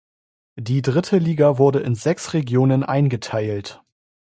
Die dritte Liga wurde in sechs Regionen eingeteilt.